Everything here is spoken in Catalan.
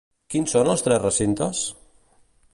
Quins són els tres recintes?